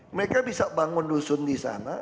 mereka bisa bangun dusun disana